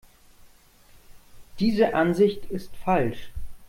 Diese Ansicht ist falsch.